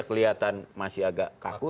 kelihatan masih agak kaku